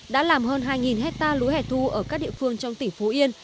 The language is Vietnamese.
đã làm hơn hai hectare lúa hẻ thu ở các địa phương trong tỉnh phú yên